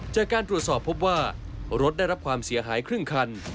จากการตรวจสอบพบว่ารถได้รับความเสียหายครึ่งคัน